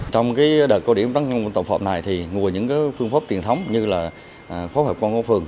trong đợt cố định văn hóa tổng phòng này thì ngùa những phương pháp tiền thống như là phóng hợp quân quốc phường